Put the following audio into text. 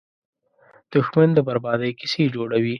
دښمن د بربادۍ کیسې جوړوي